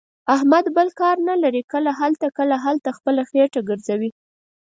احمد بل کار نه لري. کله هلته، کله هلته، خپله خېټه ګرځوي.